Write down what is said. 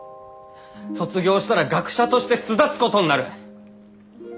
卒業したら学者として巣立つことになる！